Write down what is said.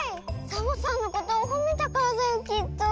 サボさんのことをほめたからだよきっと。